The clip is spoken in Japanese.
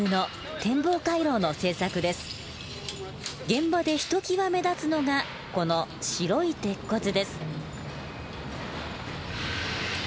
現場でひときわ目立つのがこの白い鉄骨です。